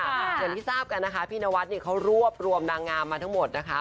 เหมือนพี่ทราบกันนะคะพี่นวัดเขารวบรวมนางงามมาทั้งหมดนะคะ